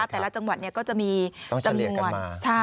แต่ละจังหวัดก็จะมีจำนวน